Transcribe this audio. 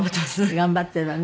頑張っているわね。